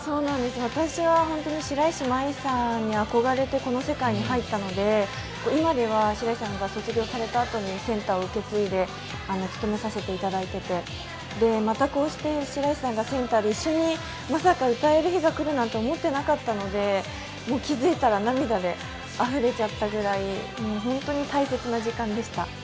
私は白石麻衣さんに憧れてこの世界に入ったので今では白石さんが卒業されたあとにセンターを受け継いで務めさせていただいていてまたこうして白石さんがセンターで一緒に歌える日が来るなんて思ってなかったので、気づいたら涙であふれちゃったぐらいホントに大切な時間でした。